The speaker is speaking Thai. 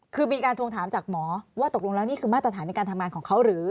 คือมีการทวงถามจากหมอว่าตกลงแล้วนี่คือมาตรฐานในการทำงานของเขาหรือ